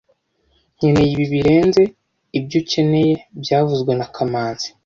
Nkeneye ibi birenze ibyo ukeneye byavuzwe na kamanzi